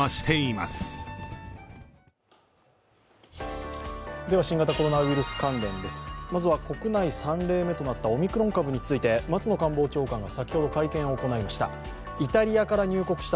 まずは、国内３例目となったオミクロン株について松野官房長官が先ほど会見を行いました。